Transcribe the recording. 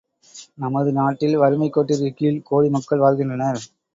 நமது நாட்டில் வறுமைக் கோட்டிற்குக் கீழ் கோடி மக்கள் வாழ்கின்றனர்.